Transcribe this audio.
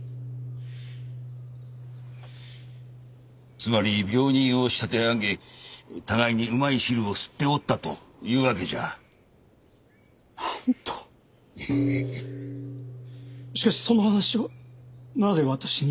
つまり病人を仕立て上げ互いにうまい汁を吸っておったというわけじゃなんとヘッヘッヘッしかしその話をなぜ私に？